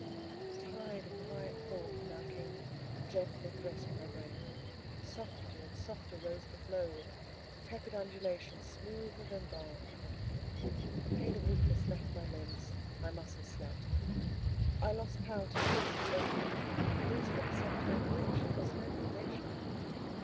A tide of quiet thought now came gently caressing my brain; softer and softer rose the flow, with tepid undulations smoother than balm. The pain of weakness left my limbs, my muscles slept. I lost power to move; but, losing at the same time wish, it was no privation.